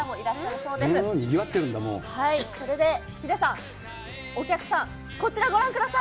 それでヒデさん、お客さん、こちらご覧ください。